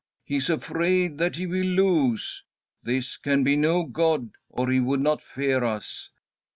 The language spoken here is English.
He is afraid that he will lose. This can be no god, or he would not fear us.'